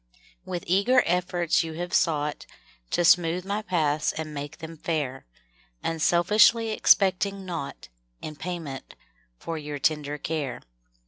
% W ITH eager efforts you Have sougkt To smootk my paths and make them fair, Unselfiskly expect 5 mg naugkt In payment for your tender care.